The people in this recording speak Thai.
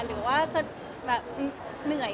หรือว่าจะแบบเหนื่อย